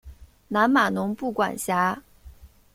南马农布管辖。